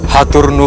hanya itu saja